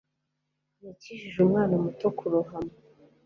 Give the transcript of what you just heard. Yakijije umwana muto kurohama.